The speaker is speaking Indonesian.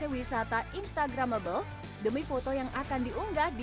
apalagi yang pas menghadap ke sana ke depan